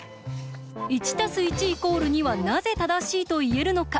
１＋１イコール２はなぜ正しいと言えるのか。